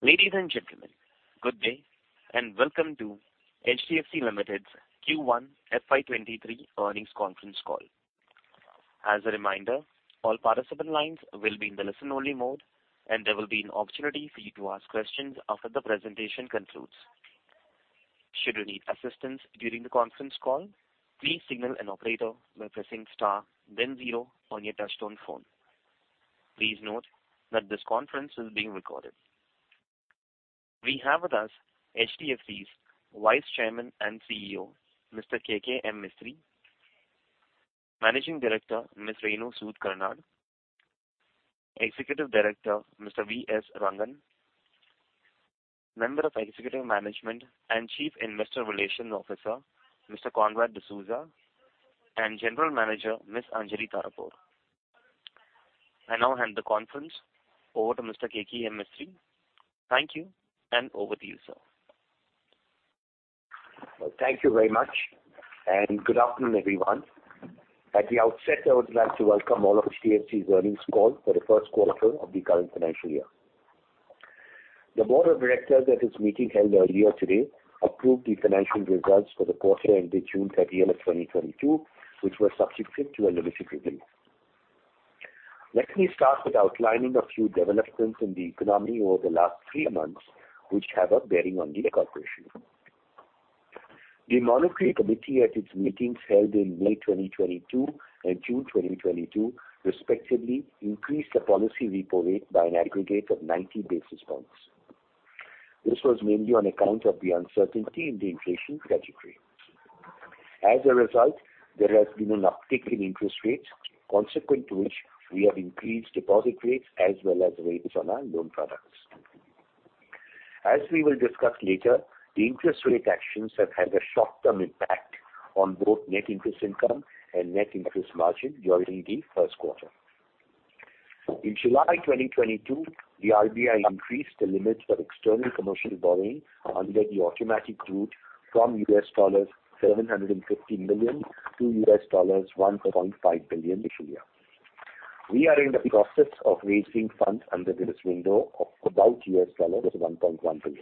Ladies and gentlemen, good day, and welcome to HDFC Limited's Q1 FY2023 earnings conference call. As a reminder, all participant lines will be in the listen-only mode, and there will be an opportunity for you to ask questions after the presentation concludes. Should you need assistance during the conference call, please signal an operator by pressing star then zero on your touchtone phone. Please note that this conference is being recorded. We have with us HDFC's Vice Chairman and CEO, Mr. Keki.M. Mistry, Managing Director, Ms. Renu Sud Karnad, Executive Director, Mr. V.S. Rangan, Member of Executive Management and Chief Investor Relations Officer, Mr. Conrad D'Souza, and General Manager, Ms. Anjalee Tarapore. I now hand the conference over to Mr. Keki.M. Mistry. Thank you, and over to you, sir. Thank you very much, and good afternoon, everyone. At the outset, I would like to welcome all of HDFC's earnings call for the first quarter of the current financial year. The board of directors at its meeting held earlier today approved the financial results for the quarter ended June 30th, 2022, which were subject to a limited review. Let me start with outlining a few developments in the economy over the last three months, which have a bearing on the corporation. The Monetary Policy Committee at its meetings held in May 2022 and June 2022 respectively increased the policy repo rate by an aggregate of 90 basis points. This was mainly on account of the uncertainty in the inflation trajectory. As a result, there has been an uptick in interest rates, consequent to which we have increased deposit rates as well as rates on our loan products. As we will discuss later, the interest rate actions have had a short-term impact on both net interest income and net interest margin during the first quarter. In July 2022, the RBI increased the limits for external commercial borrowing under the automatic route from $750 million to $1.5 billion this year. We are in the process of raising funds under this window of about $1.1 billion.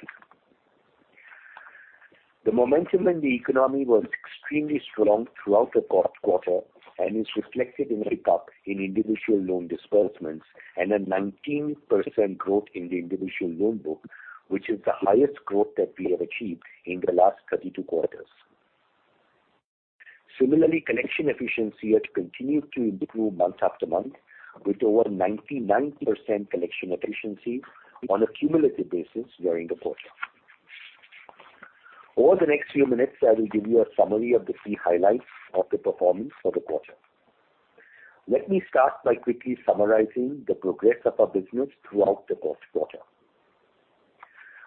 The momentum in the economy was extremely strong throughout the quarter, and is reflected in a pick-up in individual loan disbursements and a 19% growth in the individual loan book, which is the highest growth that we have achieved in the last 32 quarters. Similarly, collection efficiency has continued to improve month after month with over 99% collection efficiency on a cumulative basis during the quarter. Over the next few minutes, I will give you a summary of the key highlights of the performance for the quarter. Let me start by quickly summarizing the progress of our business throughout the first quarter.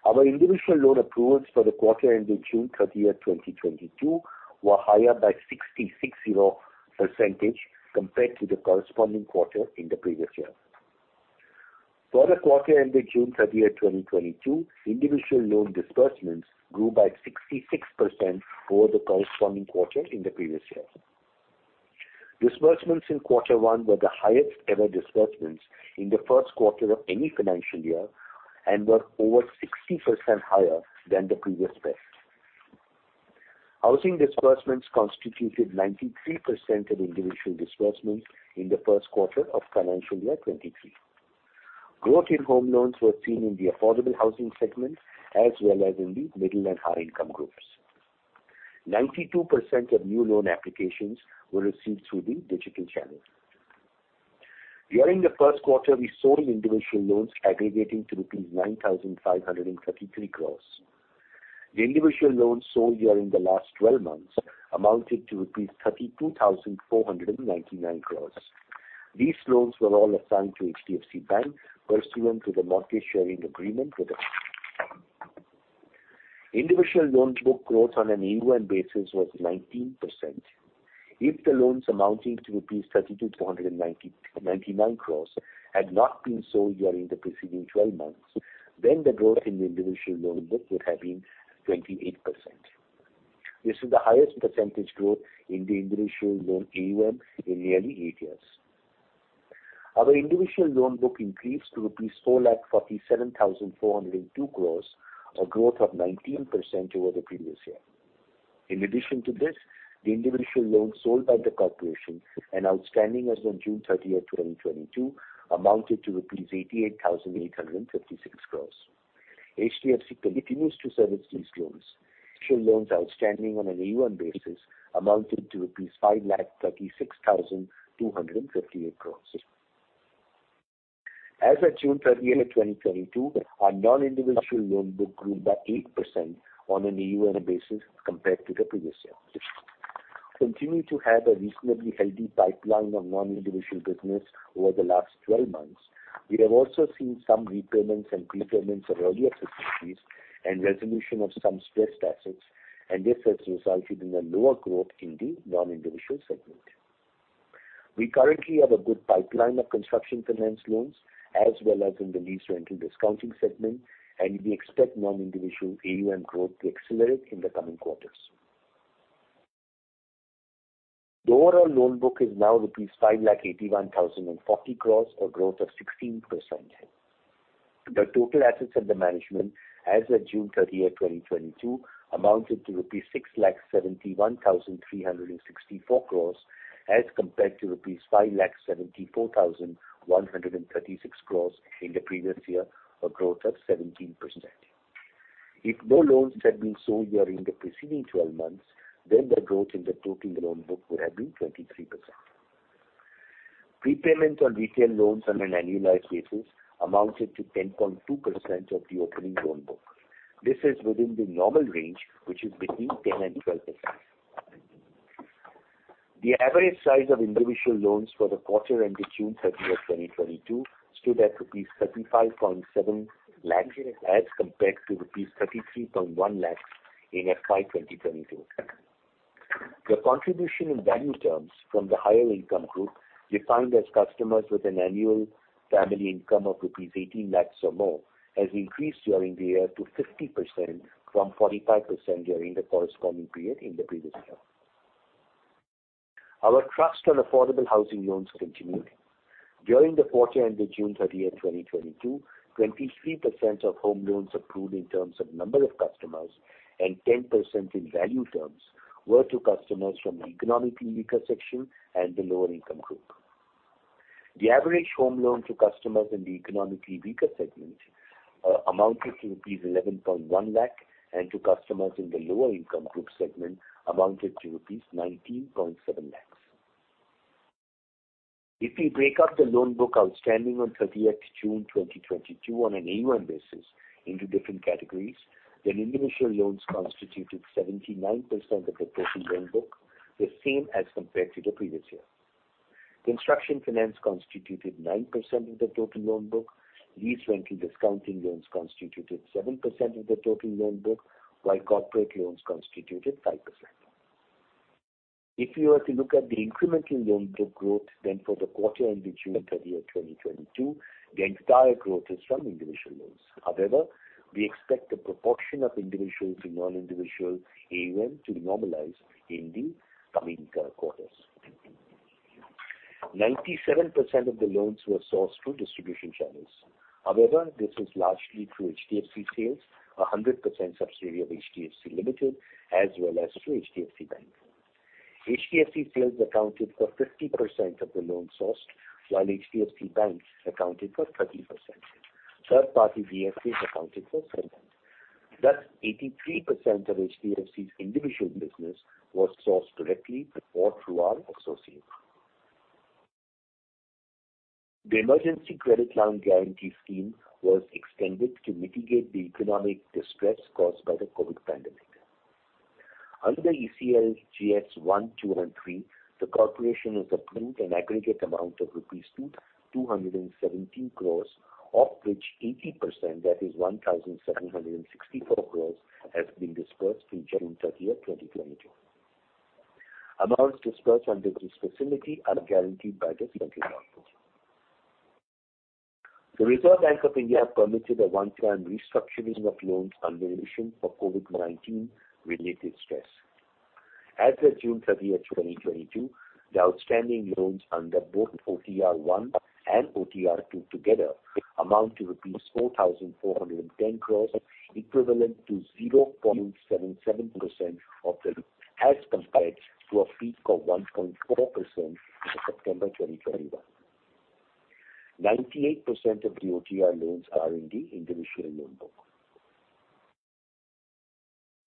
Our individual loan approvals for the quarter ending June 30th, 2022 were higher by 66% compared to the corresponding quarter in the previous year. For the quarter ending June 30th, 2022, individual loan disbursements grew by 66% over the corresponding quarter in the previous year. Disbursements in quarter one were the highest ever disbursements in the first quarter of any financial year and were over 60% higher than the previous best. Housing disbursements constituted 93% of individual disbursements in the first quarter of financial year 2023. Growth in home loans were seen in the affordable housing segment as well as in the middle and high income groups. 92% of new loan applications were received through the digital channel. During the first quarter, we sold individual loans aggregating to rupees 9,533 crore. The individual loans sold during the last twelve months amounted to rupees 32,499 crore. These loans were all assigned to HDFC Bank pursuant to the Mortgage Sharing Agreement with them. Individual loan book growth on an AUM basis was 19%. If the loans amounting to rupees 32,499 crore had not been sold during the preceding twelve months, then the growth in the individual loan book would have been 28%. This is the highest percentage growth in the individual loan AUM in nearly eight years. Our individual loan book increased to 4,47,402 crore, a growth of 19% over the previous year. In addition to this, the individual loans sold by the corporation and outstanding as on June thirtieth, 2022 amounted to rupees 88,856 crore. HDFC continues to service these loans. Individual loans outstanding on an AUM basis amounted to rupees 5,36,258 crore. As at June thirtieth, 2022, our non-individual loan book grew by 8% on an AUM basis compared to the previous year. We continue to have a reasonably healthy pipeline of non-individual business over the last twelve months. We have also seen some repayments and pre-payments of earlier facilities and resolution of some stressed assets, and this has resulted in a lower growth in the non-individual segment. We currently have a good pipeline of construction finance loans as well as in the lease rental discounting segment, and we expect non-individual AUM growth to accelerate in the coming quarters. The overall loan book is now rupees 5,81,040 crore, a growth of 16%. The total assets under management as at June 30th, 2022 amounted to rupees 6,71,364 crore as compared to rupees 5,74,136 crore in the previous year, a growth of 17%. If no loans had been sold during the preceding 12 months, then the growth in the total loan book would have been 23%. Prepayment on retail loans on an annualized basis amounted to 10.2% of the opening loan book. This is within the normal range, which is between 10% and 12%. The average size of individual loans for the quarter ended June 30th, 2022 stood at rupees 35.7 lakhs as compared to rupees 33.1 lakhs in FY 2022. The contribution in value terms from the higher income group, defined as customers with an annual family income of INR 18 lakhs or more, has increased during the year to 50% from 45% during the corresponding period in the previous year. Our thrust on affordable housing loans continued. During the quarter ended June 30th, 2022, 23% of home loans approved in terms of number of customers and 10% in value terms were to customers from the Economically Weaker Section and the lower income group. The average home loan to customers in the economically weaker segment amounted to rupees 11.1 lakh, and to customers in the lower income group segment amounted to rupees 19.7 lakhs. If we break up the loan book outstanding on thirtieth June, 2022 on an AUM basis into different categories, then individual loans constituted 79% of the total loan book, the same as compared to the previous year. Construction finance constituted 9% of the total loan book. Lease rental discounting loans constituted 7% of the total loan book while corporate loans constituted 5%. If you are to look at the incremental loan book growth, then for the quarter ended June 30th, 2022, the entire growth is from individual loans. However, we expect the proportion of individuals to non-individual AUM to normalize in the coming quarters. 97% of the loans were sourced through distribution channels. However, this is largely through HDFC Sales, 100% subsidiary of HDFC Limited, as well as through HDFC Bank. HDFC Sales accounted for 50% of the loans sourced while HDFC Bank accounted for 30%. Third-party DFAs accounted for 7%. Thus, 83% of HDFC's individual business was sourced directly or through our associates. The Emergency Credit Line Guarantee Scheme was extended to mitigate the economic distress caused by the COVID pandemic. Under ECLGS one, two, and three, the corporation has approved an aggregate amount of 217 crore rupees, of which 80%, that is 1,764 crore, has been disbursed through June 30th, 2022. Amounts disbursed under this facility are guaranteed by the central government. The Reserve Bank of India permitted a one-time restructuring of loans under provision for COVID-19 related stress. As of June 30th, 2022, the outstanding loans under both OTR one and OTR two together amount to rupees 4,410 crore, equivalent to 0.77% of the group as compared to a peak of 1.4% in September 2021. 98% of the OTR loans are in the individual loan book.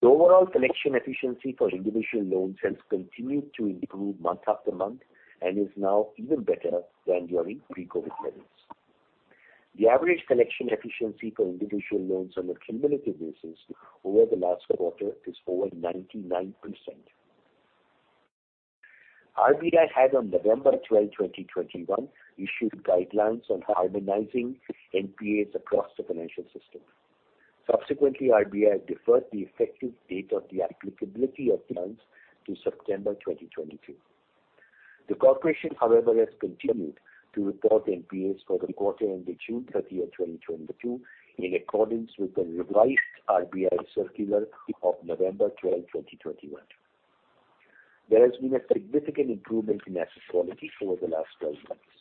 The overall collection efficiency for individual loans has continued to improve month after month and is now even better than during pre-COVID levels. The average collection efficiency for individual loans on a cumulative basis over the last quarter is over 99%. RBI had on November 12, 2021, issued guidelines on harmonizing NPAs across the financial system. Subsequently, RBI deferred the effective date of the applicability of the loans to September 2022. The corporation, however, has continued to report NPAs for the quarter ended June 30th, 2022, in accordance with the revised RBI circular of November 12, 2021. There has been a significant improvement in asset quality over the last 12 months.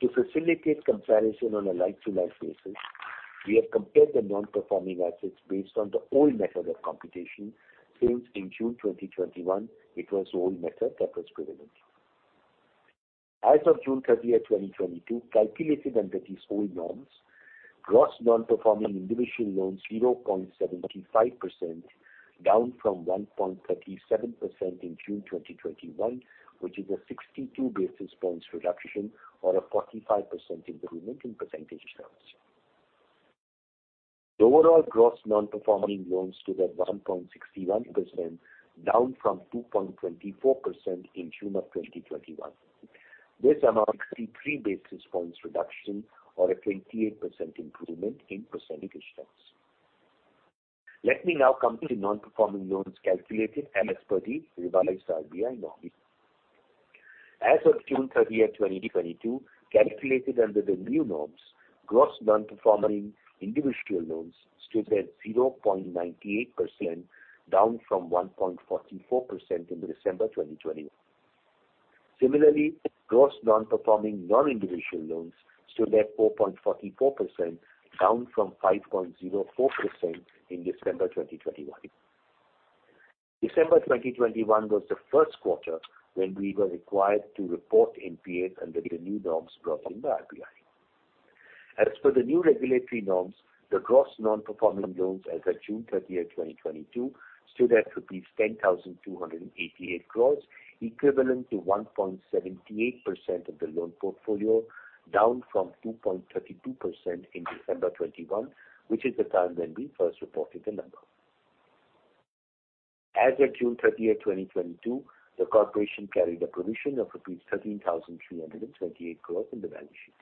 To facilitate comparison on a like-to-like basis, we have compared the non-performing assets based on the old method of computation since in June 2021 it was the old method that was prevalent. As of June 30th, 2022, calculated under these old norms, gross non-performing individual loans 0.75%, down from 1.37% in June 2021, which is a 62 basis points reduction or a 45% improvement in percentage terms. The overall gross non-performing loans stood at 1.61%, down from 2.24% in June 2021. This amounts to 63 basis points reduction or a 28% improvement in percentage terms. Let me now come to the non-performing loans calculated as per the revised RBI norms. As of June 30th, 2022, calculated under the new norms, gross non-performing individual loans stood at 0.98%, down from 1.44% in December 2020. Similarly, gross non-performing non-individual loans stood at 4.44%, down from 5.04% in December 2021. December 2021 was the first quarter when we were required to report NPAs under the new norms brought in by RBI. As per the new regulatory norms, the gross non-performing loans as at June 30th, 2022, stood at rupees 10,288 crore, equivalent to 1.78% of the loan portfolio, down from 2.32% in December 2021, which is the time when we first reported the number. As at June 30th, 2022, the corporation carried a provision of rupees 13,328 crore in the balance sheet.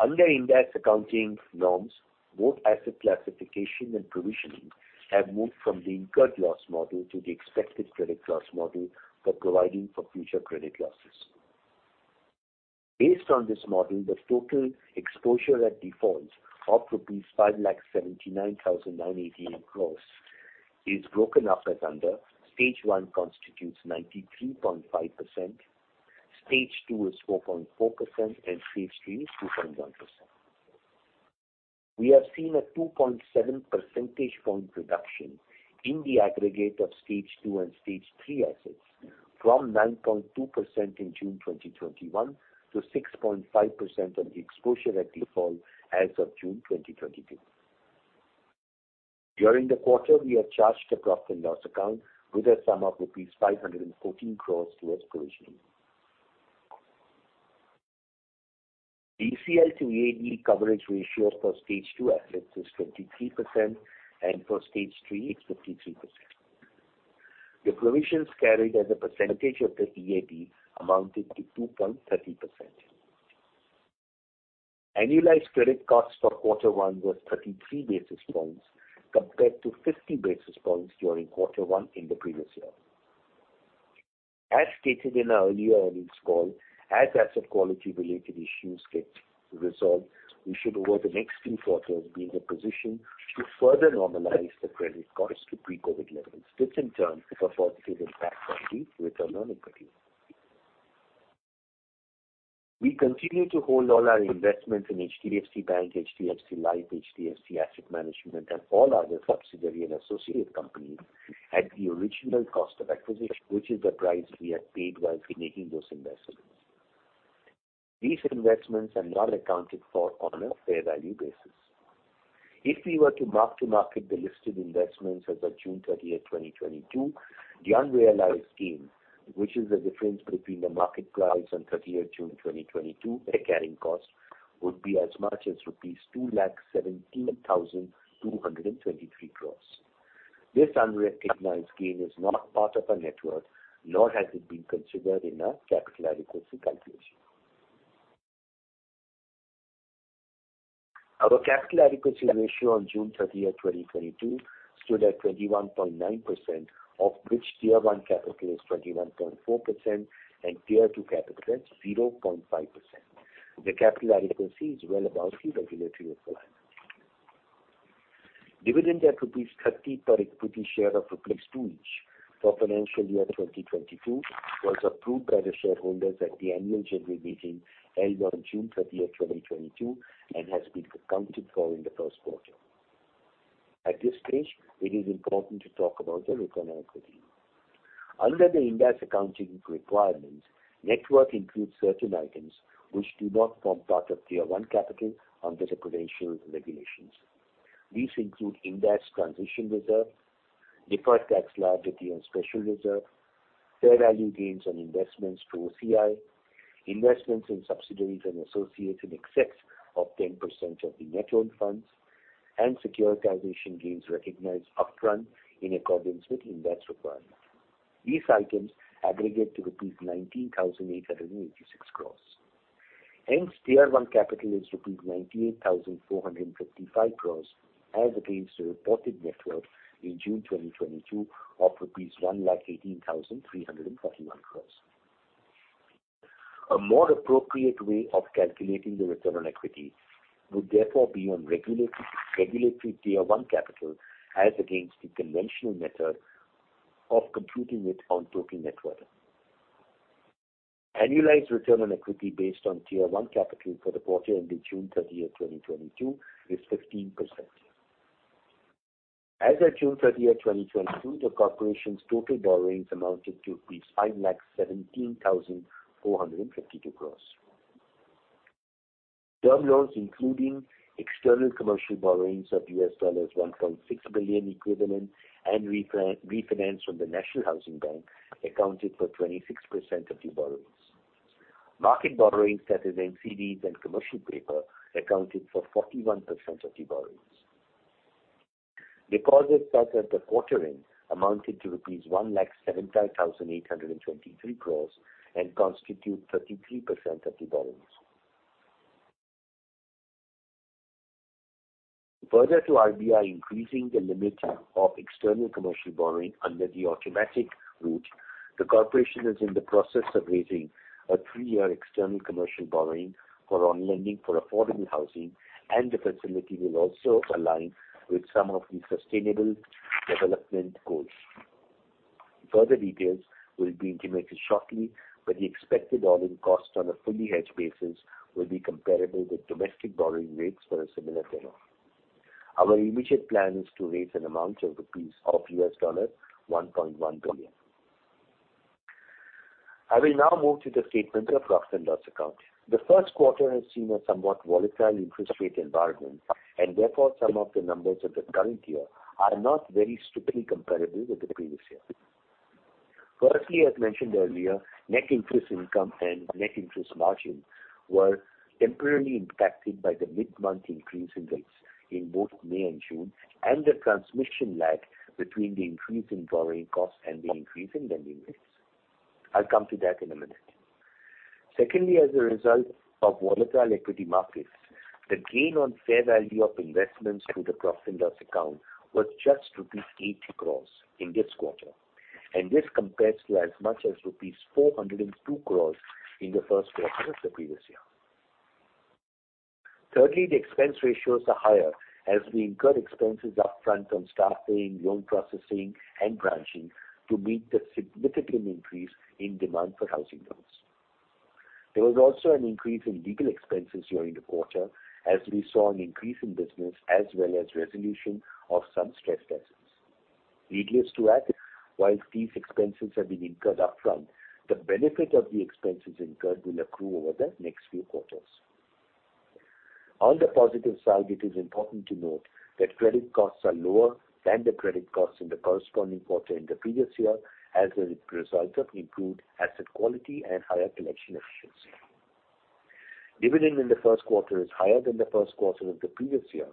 Under Ind AS accounting norms, both asset classification and provisioning have moved from the incurred loss model to the expected credit loss model for providing for future credit losses. Based on this model, the total exposure at default of rupees 579,988 crore is broken up as under. Stage one constitutes 93.5%, Stage tw is 4.4%, and Stage three is 2.1%. We have seen a 2.7 percentage point reduction in the aggregate of Stage two and Stage three assets from 9.2% in June 2021 - 6.5% of the exposure at default as of June 2022. During the quarter, we have charged the profit and loss account with a sum of rupees 514 crore towards provisioning. The ECL to EAD coverage ratio for Stage two assets is 23%, and for Stage three, it's 53%. The provisions carried as a percentage of the EAD amounted to 2.30%. Annualized credit costs for quarter one was 33 basis points compared to 50 basis points during quarter one in the previous year. As stated in our earlier earnings call, as asset quality-related issues get resolved, we should, over the next few quarters, be in a position to further normalize the credit costs to pre-COVID levels, which in turn will facilitate that front-loaded return on equity. We continue to hold all our investments in HDFC Bank, HDFC Life, HDFC Asset Management, and all other subsidiary and associate companies at the original cost of acquisition, which is the price we had paid while making those investments. These investments are not accounted for on a fair value basis. If we were to mark-to-market the listed investments as at June 30th, 2022, the unrealized gain, which is the difference between the market price on June 30th, 2022, their carrying cost would be as much as rupees 217,223 crores. This unrecognized gain is not part of our net worth, nor has it been considered in our capital adequacy calculation. Our Capital Adequacy Ratio on June 30th, 2022, stood at 21.9%, of which Tier I capital is 21.4% and Tier II capital is 0.5%. The capital adequacy is well above the regulatory requirement. Dividend at rupees 30 per equity share of INR 2 each for financial year 2022 was approved by the shareholders at the annual general meeting held on June 30th, 2022, and has been accounted for in the first quarter. At this stage, it is important to talk about the return on equity. Under the Ind AS accounting requirements, net worth includes certain items which do not form part of Tier I Capital under the prudential regulations. These include Ind AS Transition Reserve, deferred tax liability on special reserve, fair value gains on investments to OCI, investments in subsidiaries and associates in excess of 10% of the Net Owned Funds, and securitization gains recognized upfront in accordance with Ind AS requirement. These items aggregate to 19,886 crore. Tier I capital is 98,455 crore as against the reported net worth in June 2022 of rupees 1,18,341 crore. A more appropriate way of calculating the return on equity would therefore be on regulatory Tier I capital as against the conventional method of computing it on total net worth. Annualized return on equity based on Tier I capital for the quarter ending June 30th, 2022, is 15%. As at June 30th, 2022, the corporation's total borrowings amounted to 5,17,452 crore. Term loans, including external commercial borrowings of $1.6 billion equivalent and refinance from the National Housing Bank, accounted for 26% of the borrowings. Market borrowings, that is NCDs and commercial paper, accounted for 41% of the borrowings. Deposits as at the quarter end amounted to rupees 1,75,823 crore and constitute 33% of the borrowings. Further to RBI increasing the limit of external commercial borrowing under the automatic route, the corporation is in the process of raising a three-years external commercial borrowing for on-lending for affordable housing, and the facility will also align with some of the Sustainable Development Goals. Further details will be intimated shortly, but the expected all-in cost on a fully hedged basis will be comparable with domestic borrowing rates for a similar tenure. Our immediate plan is to raise an amount of $1.1 billion. I will now move to the statement of profit and loss account. The first quarter has seen a somewhat volatile interest rate environment, and therefore, some of the numbers of the current year are not very strictly comparable with the previous year. Firstly, as mentioned earlier, net interest income and net interest margin were temporarily impacted by the mid-month increase in rates in both May and June and the transmission lag between the increase in borrowing costs and the increase in lending rates. I'll come to that in a minute. Secondly, as a result of volatile equity markets, the gain on fair value of investments through the profit and loss account was just rupees 80 crore in this quarter, and this compares to as much as rupees 402 crore in the first quarter of the previous year. Thirdly, the expense ratios are higher as we incur expenses up front on staffing, loan processing and branching to meet the significant increase in demand for housing loans. There was also an increase in legal expenses during the quarter as we saw an increase in business as well as resolution of some stressed assets. Needless to add, whilst these expenses have been incurred up front, the benefit of the expenses incurred will accrue over the next few quarters. On the positive side, it is important to note that credit costs are lower than the credit costs in the corresponding quarter in the previous year as a result of improved asset quality and higher collection efficiency. Dividend in the first quarter is higher than the first quarter of the previous year,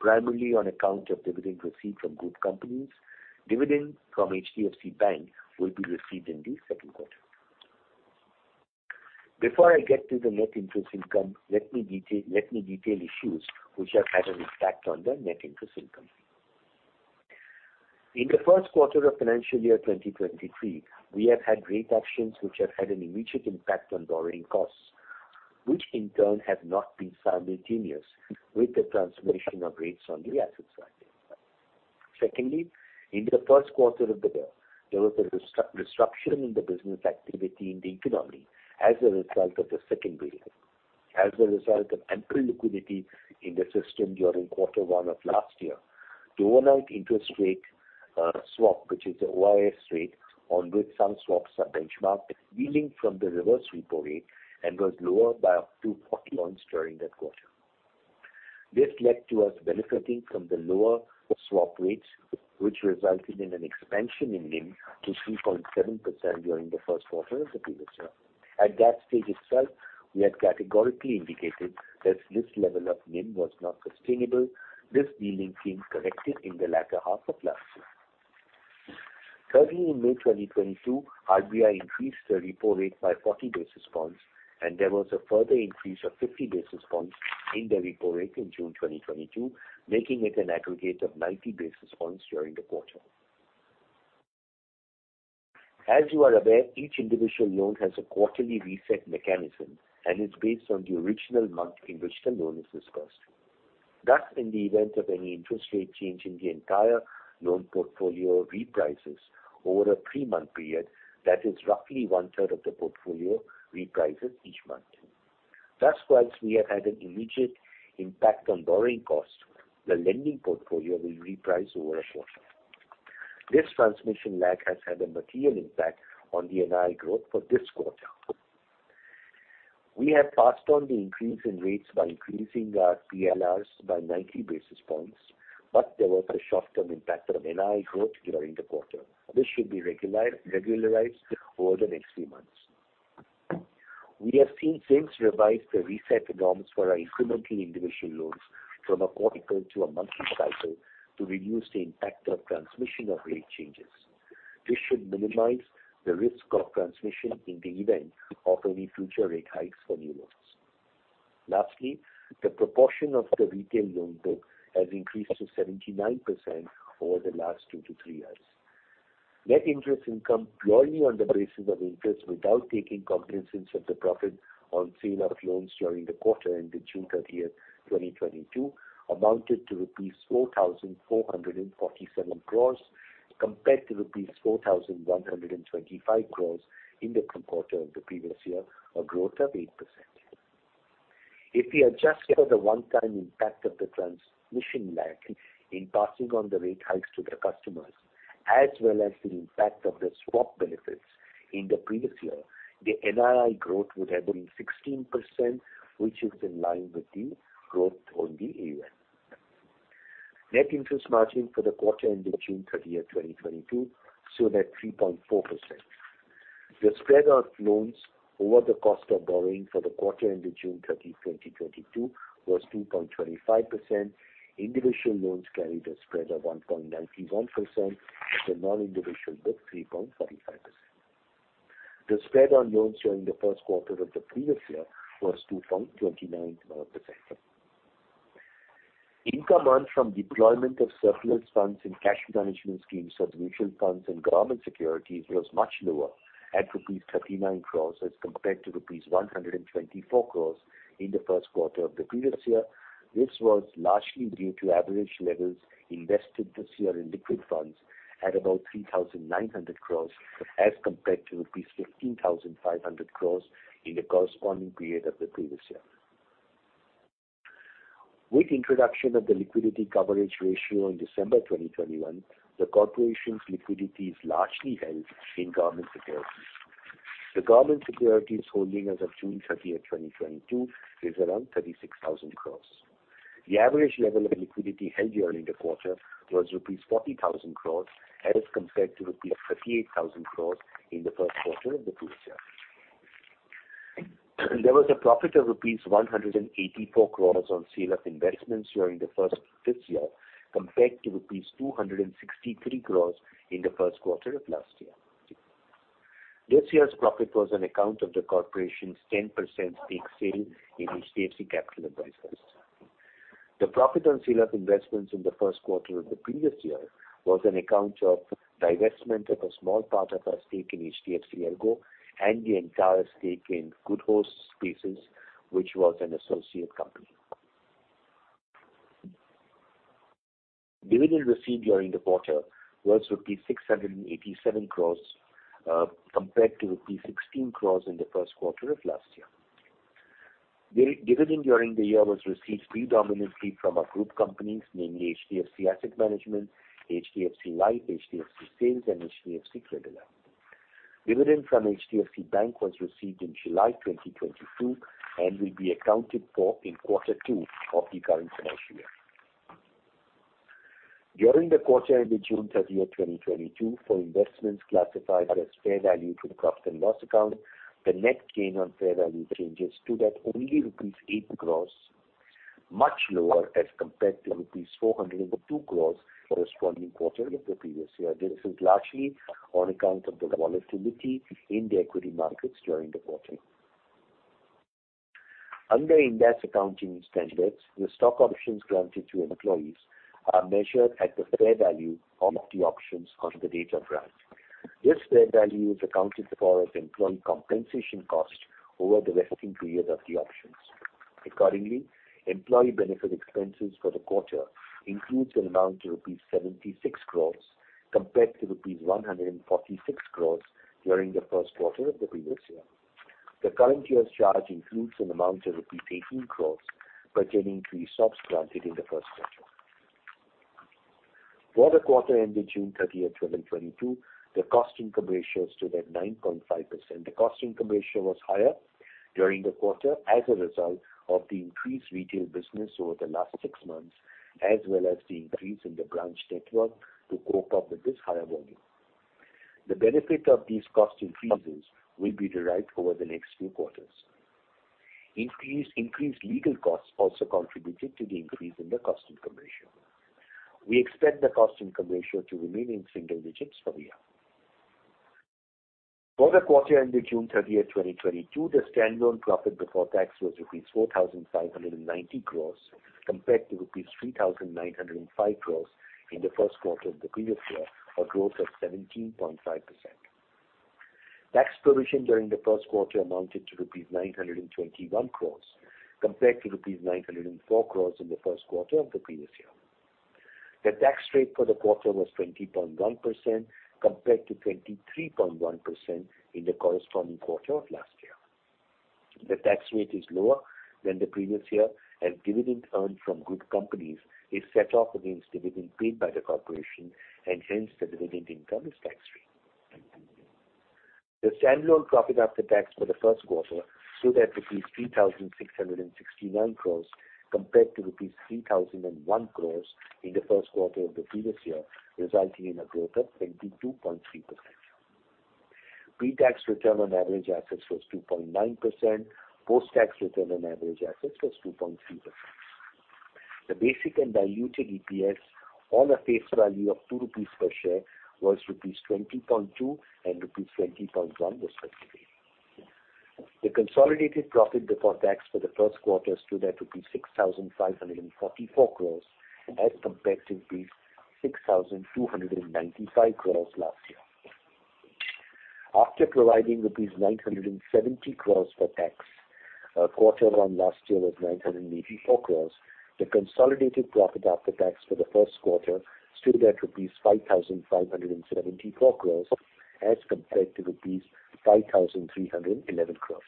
primarily on account of dividend received from group companies. Dividend from HDFC Bank will be received in the second quarter. Before I get to the net interest income, let me detail issues which have had an impact on the net interest income. In the first quarter of financial year 2023, we have had rate actions which have had an immediate impact on borrowing costs, which in turn have not been simultaneous with the transmission of rates on the assets side. Secondly, in the first quarter of the year, there was a restriction in the business activity in the economy as a result of the second wave. As a result of ample liquidity in the system during quarter one of last year, the overnight interest rate swap, which is the OIS rate on which some swaps are benchmarked, deviating from the reverse repo rate and was lower by up to 40 points during that quarter. This led to us benefiting from the lower swap rates, which resulted in an expansion in NIM to 3.7% during the first quarter of the previous year. At that stage itself, we had categorically indicated that this level of NIM was not sustainable. This delta seems corrected in the latter half of last year. Thirdly, in May 2022, RBI increased the repo rate by 40 basis points, and there was a further increase of 50 basis points in the repo rate in June 2022, making it an aggregate of 90 basis points during the quarter. As you are aware, each individual loan has a quarterly reset mechanism and is based on the original month in which the loan is disbursed. Thus, in the event of any interest rate change in the entire loan portfolio reprices over a three-month period, that is roughly one-third of the portfolio reprices each month. Thus, whilst we have had an immediate impact on borrowing costs, the lending portfolio will reprice over a quarter. This transmission lag has had a material impact on the NII growth for this quarter. We have passed on the increase in rates by increasing our PLRs by 90 basis points, but there was a short-term impact on NII growth during the quarter. This should be regularized over the next few months. We have since revised the reset norms for our incremental individual loans from a quarterly to a monthly cycle to reduce the impact of transmission of rate changes. This should minimize the risk of transmission in the event of any future rate hikes for new loans. The proportion of the retail loan book has increased to 79% over the last two to three years. Net interest income purely on the basis of interest without taking cognizance of the profit on sale of loans during the quarter ended June 30th, 2022 amounted to rupees 4,447 crore compared to rupees 4,125 crore in the quarter of the previous year, a growth of 8%. If we adjust for the one-time impact of the transmission lag in passing on the rate hikes to the customers as well as the impact of the swap benefits in the previous year, the NII growth would have been 16%, which is in line with the growth on the AUM. Net interest margin for the quarter ended June 30th, 2022 stood at 3.4%. The spread of loans over the cost of borrowing for the quarter ended June 30th, 2022 was 2.25%. Individual loans carried a spread of 1.91% and the non-individual book, 3.45%. The spread on loans during the first quarter of the previous year was 2.29%. Income earned from deployment of surplus funds in cash management schemes of mutual funds and government securities was much lower at rupees 39 crore as compared to rupees 124 crore in the first quarter of the previous year. This was largely due to average levels invested this year in liquid funds at about 3,900 crore as compared to rupees 15,500 crore in the corresponding period of the previous year. With introduction of the Liquidity Coverage Ratio in December 2021, the corporation's liquidity is largely held in Government Securities. The Government Securities holding as of June 30th, 2022, is around 36,000 crore. The average level of liquidity held during the quarter was rupees 40,000 crore as compared to rupees 38,000 crore in the first quarter of the previous year. There was a profit of rupees 184 crore on sale of investments during the first quarter this year, compared to rupees 263 crore in the first quarter of last year. This year's profit was on account of the corporation's 10% stake sale in HDFC Capital Advisors. The profit on sale of investments in the first quarter of the previous year was on account of divestment of a small part of our stake in HDFC ERGO and the entire stake in Good Host Spaces, which was an associate company. Dividend received during the quarter was rupees 687 crores compared to rupees 16 crores in the first quarter of last year. Dividend during the year was received predominantly from our group companies, namely HDFC Asset Management, HDFC Life, HDFC Sales, and HDFC Credila. Dividend from HDFC Bank was received in July 2022 and will be accounted for in quarter two of the current financial year. During the quarter ending June 30th, 2022, for investments classified as fair value through profit and loss account, the net gain on fair value changes stood at only rupees eight crore, much lower as compared to rupees 402 crore for corresponding quarter of the previous year. This is largely on account of the volatility in the equity markets during the quarter. Under Ind AS accounting standards, the stock options granted to employees are measured at the fair value of the options on the date of grant. This fair value is accounted for as employee compensation cost over the vesting period of the options. Accordingly, employee benefit expenses for the quarter includes an amount of rupees 76 crore compared to rupees 146 crore during the first quarter of the previous year. The current year's charge includes an amount of 18 crore pertaining to the stocks granted in the first quarter. For the quarter ending June 30th, 2022, the cost-income ratio stood at 9.5%. The cost-income ratio was higher during the quarter as a result of the increased retail business over the last six months, as well as the increase in the branch network to cope up with this higher volume. The benefit of these cost increases will be derived over the next few quarters. Increased legal costs also contributed to the increase in the cost-income ratio. We expect the cost-income ratio to remain in single digits for the year. For the quarter ending June 30th, 2022, the standalone profit before tax was rupees 4,590 crore compared to rupees 3,905 crore in the first quarter of the previous year, a growth of 17.5%. Tax provision during the first quarter amounted to rupees 921 crore compared to rupees 904 crore in the first quarter of the previous year. The tax rate for the quarter was 20.1% compared to 23.1% in the corresponding quarter of last year. The tax rate is lower than the previous year, as dividend earned from group companies is set off against dividend paid by the corporation, and hence, the dividend income is tax-free. The standalone profit after tax for the first quarter stood at rupees 3,669 crores compared to rupees 3,001 crores in the first quarter of the previous year, resulting in a growth of 22.3%. Pre-tax return on average assets was 2.9%. Post-tax return on average assets was 2.3%. The basic and diluted EPS on a face value of INR two per share was rupees 20.2 and rupees 20.1, respectively. The consolidated profit before tax for the first quarter stood at rupees 6,544 crores as compared to rupees 6,295 crores last year. After providing rupees 970 crore for tax, the quarter of last year was 984 crore. The consolidated profit after tax for the first quarter stood at rupees 5,574 crore as compared to rupees 5,311 crore.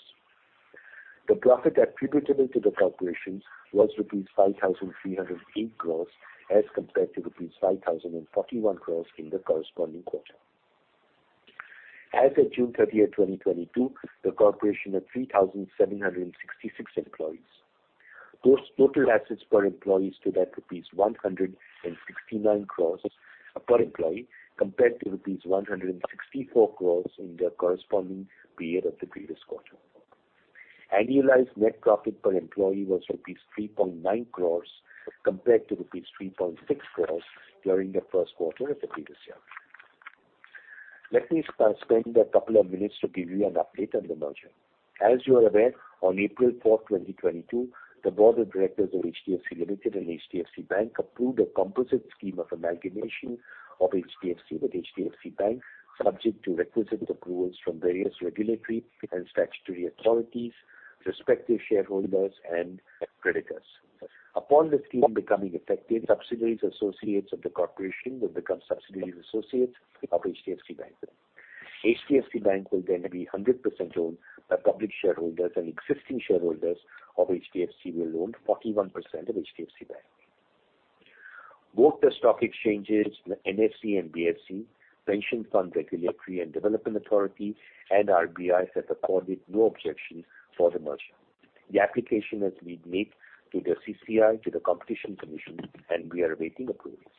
The profit attributable to the Corporation was rupees 5,308 crore as compared to rupees 5,041 crore in the corresponding quarter. As of June 30th, 2022, the Corporation had 3,766 employees. Total assets per employee stood at rupees 169 crore per employee compared to rupees 164 crore in the corresponding period of the previous quarter. Annualized net profit per employee was rupees 3.9 crore compared to rupees 3.6 crore during the first quarter of the previous year. Let me spend a couple of minutes to give you an update on the merger. As you are aware, on April fourth, 2022, the board of directors of HDFC Limited and HDFC Bank approved a composite scheme of amalgamation of HDFC with HDFC Bank, subject to requisite approvals from various regulatory and statutory authorities, respective shareholders and creditors. Upon the scheme becoming effective, subsidiaries and associates of the corporation will become subsidiaries and associates of HDFC Bank. HDFC Bank will then be 100% owned by public shareholders, and existing shareholders of HDFC will own 41% of HDFC Bank. Both the stock exchanges, the NSE and BSE, Pension Fund Regulatory and Development Authority and RBI has accorded no objection for the merger. The application has been made to the CCI, to the Competition Commission, and we are awaiting approvals.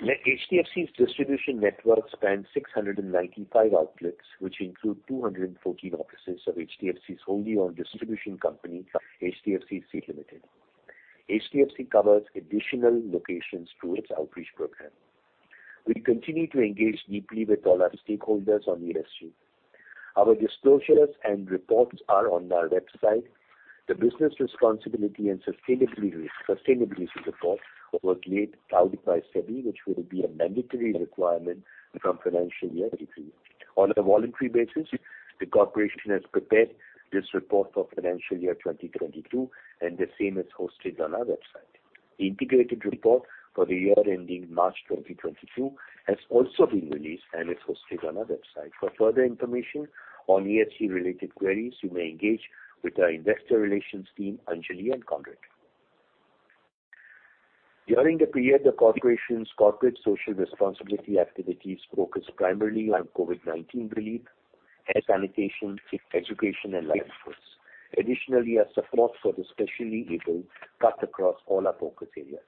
HDFC's distribution network spans 695 outlets, which include 214 offices of HDFC's wholly-owned distribution company, HDFC Sales Private Limited. HDFC covers additional locations through its outreach program. We continue to engage deeply with all our stakeholders on ESG. Our disclosures and reports are on our website. The business responsibility and sustainability report was laid out by SEBI, which will be a mandatory requirement from financial year 2023. On a voluntary basis, the corporation has prepared this report for financial year 2022, and the same is hosted on our website. The integrated report for the year ending March 2022 has also been released and is hosted on our website. For further information on ESG related queries, you may engage with our investor relations team, Anjalee Tarapore. During the period, the corporation's corporate social responsibility activities focused primarily on COVID-19 relief and sanitation, education and livelihoods. Additionally, our support for the specially-abled cut across all our focus areas.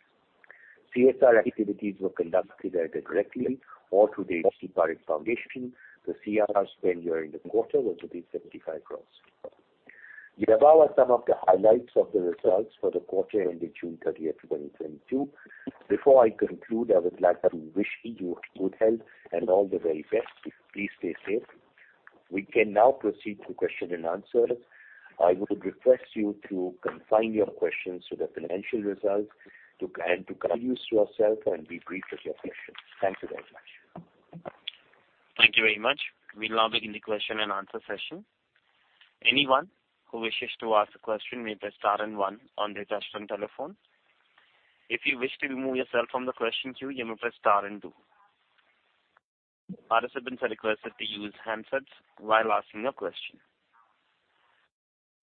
CSR activities were conducted either directly or through the HDFC Parent Foundation. The CSR spend during the quarter was 75 crore. The above are some of the highlights of the results for the quarter ending June thirtieth, 2022. Before I conclude, I would like to wish you good health and all the very best. Please stay safe. We can now proceed to question and answer. I would request you to confine your questions to the financial results and guidance, to introduce yourself and be brief with your questions. Thank you very much. Thank you very much. We'll now begin the question and answer session. Anyone who wishes to ask a question may press star and one on their touch-tone telephone. If you wish to remove yourself from the question queue, you may press star and two. Participants are requested to use handsets while asking a question.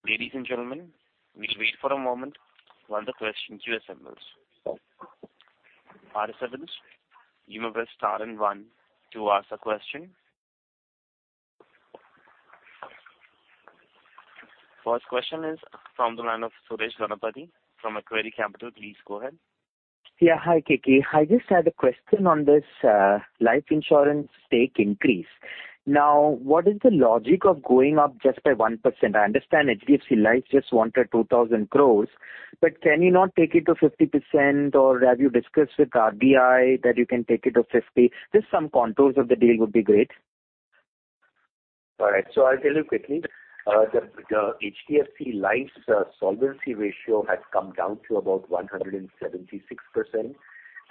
Ladies and gentlemen, we'll wait for a moment while the question queue assembles. Participants, you may press star and one to ask a question. First question is from the line of Suresh Ganapathy from Macquarie Capital. Please go ahead. Yeah. Hi, Keki. I just had a question on this life insurance stake increase. Now, what is the logic of going up just by 1%? I understand HDFC Life just wanted 2,000 crore. Can you not take it to 50% or have you discussed with RBI that you can take it to 50%? Just some contours of the deal would be great. All right. I'll tell you quickly. HDFC Life's solvency ratio has come down to about 176%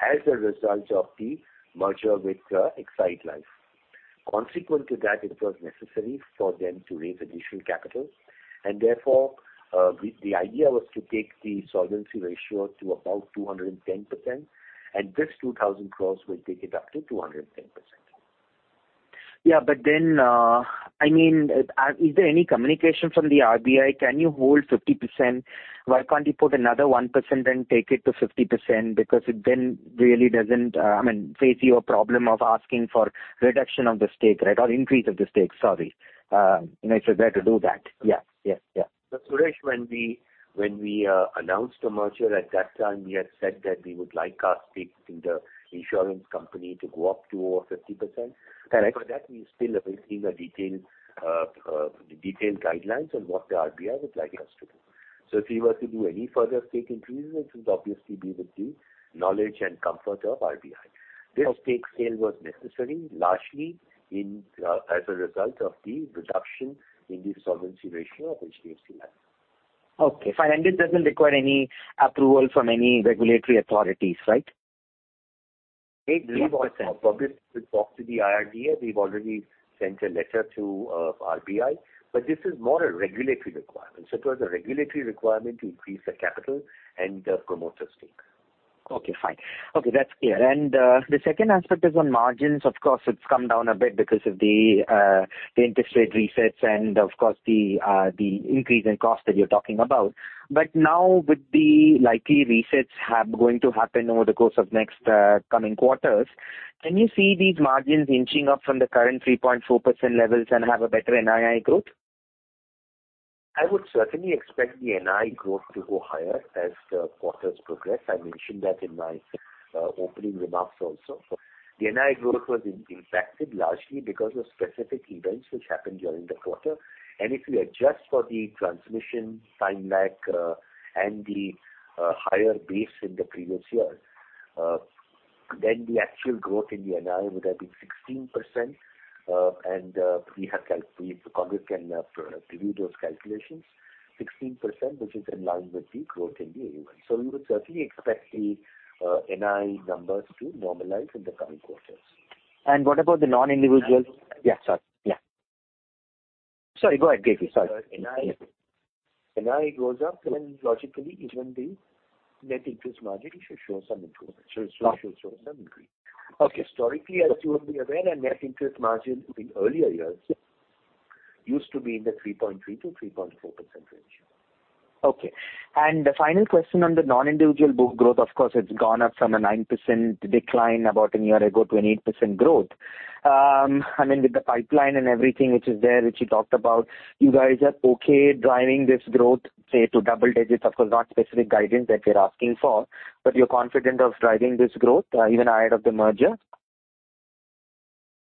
as a result of the merger with Exide Life. Consequent to that, it was necessary for them to raise additional capital and therefore, the idea was to take the solvency ratio to about 210%, and this 2,000 crore will take it up to 210%. I mean, is there any communication from the RBI? Can you hold 50%? Why can't you put another 1% and take it to 50%? Because it then really doesn't, I mean, face your problem of asking for reduction of the stake, right? Or increase of the stake. Sorry. It's better to do that. Yeah. Yeah. Yeah. Suresh, when we announced the merger, at that time we had said that we would like our stake in the insurance company to go up to over 50%. Correct. For that we're still awaiting the detailed guidelines on what the RBI would like us to do. If we were to do any further stake increases, it would obviously be with the knowledge and comfort of RBI. This stake sale was necessary largely in, as a result of the reduction in the solvency ratio of HDFC Life. Okay, fine. This doesn't require any approval from any regulatory authorities, right? Public to talk to the IRDA. We've already sent a letter to RBI, but this is more a regulatory requirement. It was a regulatory requirement to increase the capital and the promoter stake. Okay, fine. Okay, that's clear. The second aspect is on margins. Of course, it's come down a bit because of the interest rate resets and of course the increase in cost that you're talking about. Now with the likely resets happening over the course of next coming quarters, can you see these margins inching up from the current 3.4% levels and have a better NII growth? I would certainly expect the NI growth to go higher as the quarters progress. I mentioned that in my opening remarks also. The NI growth was impacted largely because of specific events which happened during the quarter. If you adjust for the transmission time lag, and the higher base in the previous year, then the actual growth in the NI would have been 16%. We if you can review those calculations, 16%, which is in line with the growth in the AUM. We would certainly expect the NI numbers to normalize in the coming quarters. Yeah, sorry. Yeah. Sorry. Go ahead, K.K. Sorry. NI goes up, then logically even the net interest margin should show some improvement. Sure. Should show some increase. Okay. Historically, as you will be aware, our net interest margin in earlier years used to be in the 3.3%-3.4% range. Okay. The final question on the non-individual book growth. Of course, it's gone up from a 9% decline about a year ago to an 8% growth. I mean, with the pipeline and everything which is there, which you talked about, you guys are okay driving this growth, say, to double digits? Of course, not specific guidance that we're asking for, but you're confident of driving this growth, even ahead of the merger?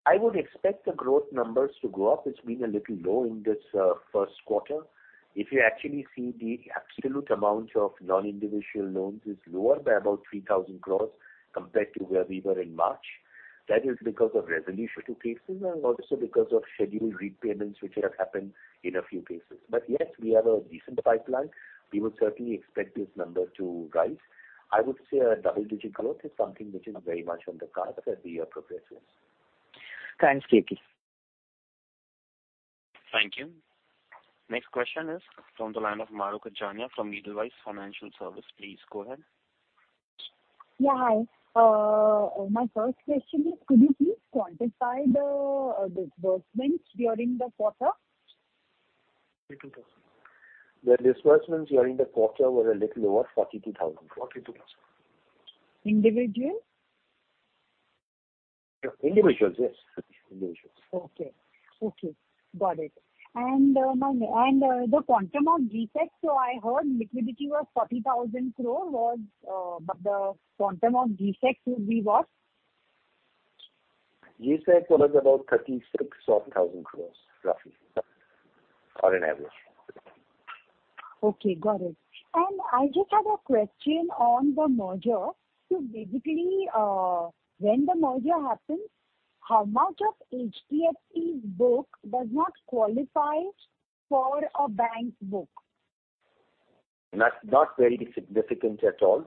I would expect the growth numbers to go up. It's been a little low in this first quarter. If you actually see the absolute amount of non-individual loans is lower by about 3,000 crore compared to where we were in March. That is because of resolution to cases and also because of scheduled repayments which have happened in a few cases. Yes, we have a decent pipeline. We would certainly expect this number to rise. I would say a double-digit growth is something which is very much on the cards as the year progresses. Thanks, K.K. Thank you. Next question is from the line of Mahrukh Adajania from Nuvama Financial Services. Please go ahead. Yeah. Hi. My first question is could you please quantify the disbursements during the quarter? INR 32 thousand. The disbursements during the quarter were a little over 42 thousand. 42 thousand. Individual? Individuals, yes. Individuals. Okay. Okay, got it. The quantum of GSEC, so I heard liquidity was 40,000 crore, but the quantum of GSEC would be what? GSEC was about INR 36,000 crores, roughly. An average. Okay, got it. I just had a question on the merger. Basically, when the merger happens, how much of HDFC's book does not qualify for a bank book? Not very significant at all.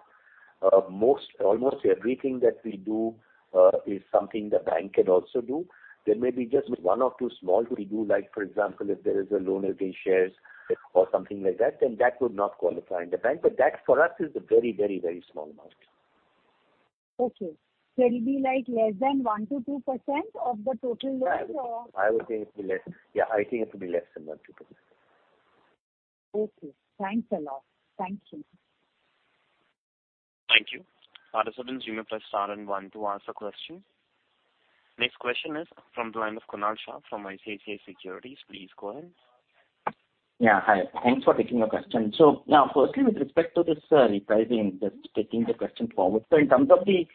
Almost everything that we do is something the bank can also do. There may be just one or two small we do. Like, for example, if there is a loan against shares or something like that, then that would not qualify in the bank. That for us is a very, very, very small amount. Okay. It'll be like less than 1%-2% of the total loans or? I would think it'll be less. Yeah, I think it'll be less than 1%-2%. Okay. Thanks a lot. Thank you. Thank you. Participants, you may press star and one to ask a question. Next question is from the line of Kunal Shah from ICICI Securities. Please go ahead. Yeah, hi. Thanks for taking the question. Now firstly with respect to this, repricing, just taking the question forward. In terms of the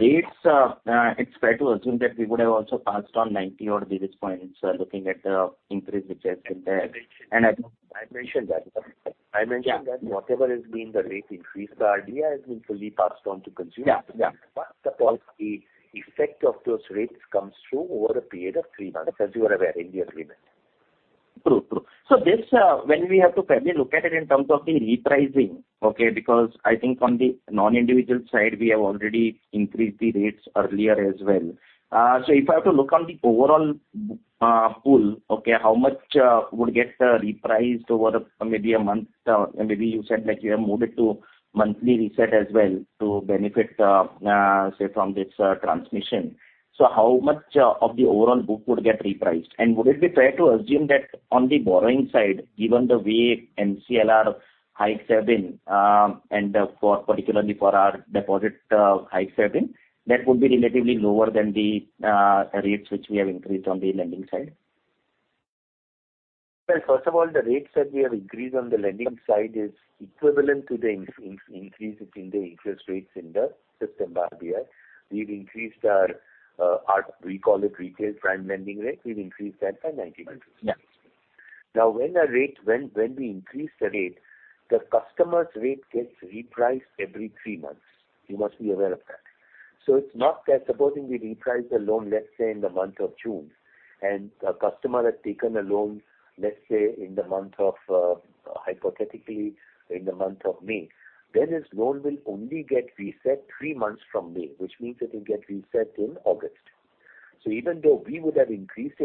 rates, it's fair to assume that we would have also passed on 90 odd basis points, looking at the increase which has been there. I mentioned. And I- I mentioned that. Yeah. I mentioned that whatever has been the rate increase, the idea has been fully passed on to consumers. Yeah. Yeah. First of all, the effect of those rates comes through over a period of three months, as you are aware, in the agreement. True. This, when we have to fairly look at it in terms of the repricing, okay, because I think on the non-individual side we have already increased the rates earlier as well. If I have to look on the overall pool, okay, how much would get repriced over maybe a month? Maybe you said like you have moved it to monthly reset as well to benefit, say from this transmission. How much of the overall book would get repriced? And would it be fair to assume that on the borrowing side, given the way MCLR hikes have been, and particularly for our deposit hikes have been, that would be relatively lower than the rates which we have increased on the lending side? Well, first of all, the rates that we have increased on the lending side is equivalent to the increase between the interest rates in the system RDR. We've increased our we call it Retail Prime Lending Rate. We've increased that by 90 basis points. Yeah. Now when we increase the rate, the customer's rate gets repriced every three months. You must be aware of that. It's not that supposing we reprice the loan, let's say in the month of June, and the customer has taken a loan, let's say hypothetically in the month of May, then his loan will only get reset three months from May, which means it will get reset in August. Even though we would have increased the